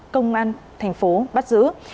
công an thành phố bắt giữ